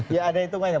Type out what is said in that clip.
ya ada hitungannya